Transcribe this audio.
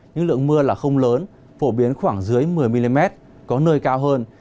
nhưng lượng mưa là không lớn phổ biến khoảng dưới một mươi mm có nơi cao hơn